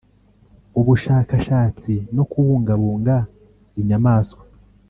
ubushakashatsi no kubungabunga inyamaswa